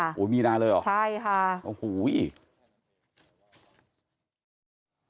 โอ้โฮมีนาคมเลยเหรอโอ้โฮอีกค่ะใช่ค่ะ